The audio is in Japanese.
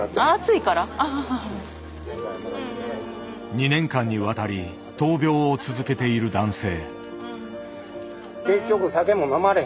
２年間にわたり闘病を続けている男性。